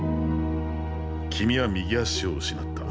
君は、右足を失った。